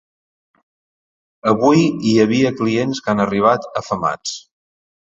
Avui hi havia clients que han arribat afamats.